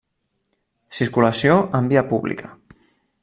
Circulació en via pública.